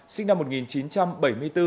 sinh năm một nghìn chín trăm bảy mươi bốn